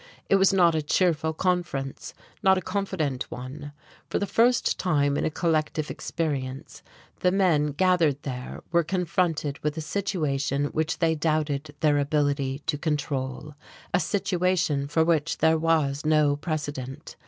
It was not a cheerful conference, nor a confident one. For the first time in a collective experience the men gathered there were confronted with a situation which they doubted their ability to control, a situation for which there was no precedent.